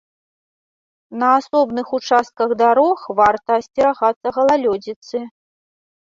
На асобных участках дарог варта асцерагацца галалёдзіцы.